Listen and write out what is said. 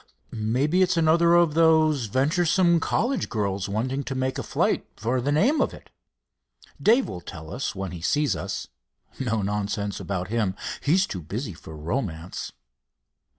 "Maybe it's another of those venturesome college girls wanting to make a flight for the name of it. Dave will tell us when he sees us. No nonsense about him. He's too busy for romance."